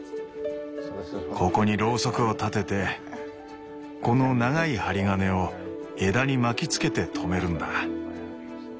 ここにロウソクを立ててこの長い針金を枝に巻きつけて留めるんだ。